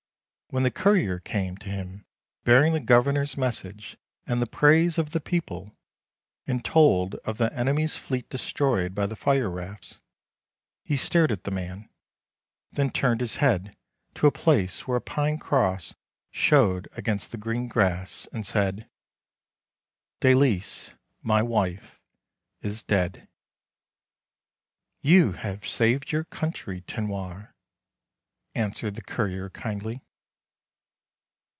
When the courier came to him bearing the Governor's message and the praise of the people, and told of the enemy's fleet destroyed by the fire rafts, he stared at the man, then turned his head to a place where a pine cross showed against the green grass, and said :" Dalice — my wife — is dead." " You have saved your country, Tinoir," answered the courier kindly.